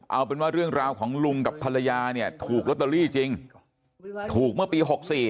เอาเป็นว่าเรื่องราวของลุงกับภรรยาเนี่ยถูกลอตเตอรี่จริงถูกเมื่อปี๖๔